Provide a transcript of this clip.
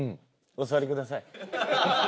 お座りください。